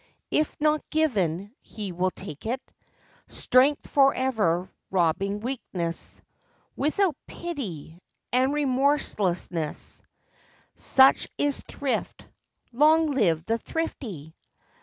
If not given, he will take it! Strength forever robbing weakness Without pity, and remorseless— Such is thrift. Long live the thrifty